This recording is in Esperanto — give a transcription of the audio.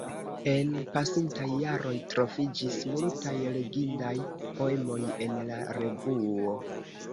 En pasintaj jaroj troviĝis multaj legindaj poemoj en la revuo.